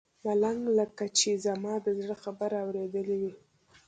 ملنګ لکه چې زما د زړه خبره اورېدلې وي.